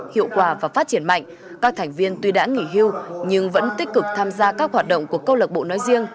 hiệu quả và phát triển mạnh các thành viên tuy đã nghỉ hưu nhưng vẫn tích cực tham gia các hoạt động của câu lạc bộ nói riêng